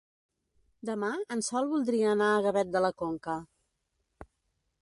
Demà en Sol voldria anar a Gavet de la Conca.